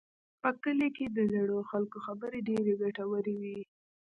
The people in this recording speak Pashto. په کلي کې د زړو خلکو خبرې ډېرې ګټورې وي.